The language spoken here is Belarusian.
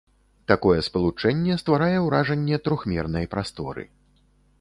Такое спалучэнне стварае ўражанне трохмернай прасторы.